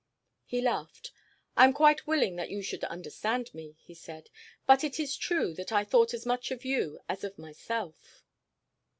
He laughed. "I am quite willing that you should understand me," he said. "But it is true that I thought as much of you as of myself."